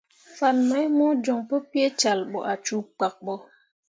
Fan mai mo joŋ pu peecal ɓo ah cuu pkak ɓo.